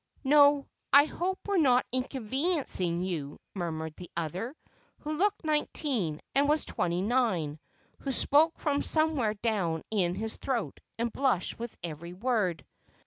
"No, I hope we're not inconveniencing you," murmured the other, who looked nineteen and was twenty nine, who spoke from somewhere down in his throat and blushed with every word.